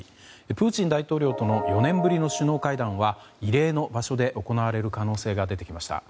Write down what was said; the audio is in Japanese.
プーチン大統領との４年ぶりの首脳会談は異例の場所で行われる可能性が出てきました。